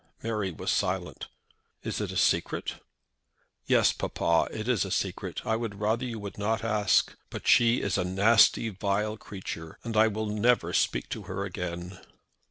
Mary was silent. "Is it a secret?" "Yes, papa; it is a secret. I would rather you would not ask. But she is a nasty vile creature, and I will never speak to her again."